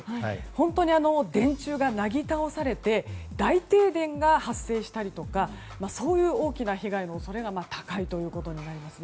本当に電柱がなぎ倒されて大停電が発生したりとかそういう大きな被害の恐れが高いということになります。